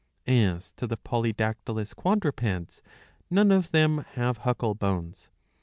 As to the polydactylous quadrupeds, none of them have huckle bones.